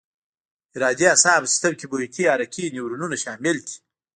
ارادي اعصابو سیستم کې محیطي حرکي نیورونونه شامل دي.